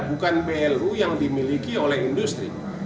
bukan blu yang dimiliki oleh industri